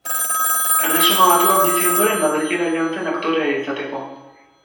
Erresuma Batuan bizi ondoren Madrilera joan zen aktorea izateko.